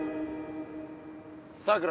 さくら。